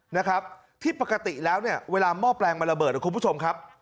นะครับที่ปกติแล้วเนี่ยเวลาหม้อแปลงมันระเบิดคุณผู้ชมครับ